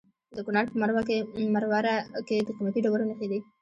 د کونړ په مروره کې د قیمتي ډبرو نښې دي.